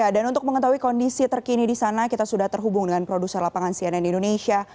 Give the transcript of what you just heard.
untuk mengetahui kondisi terkini di sana kita sudah terhubung dengan produser lapangan cnn indonesia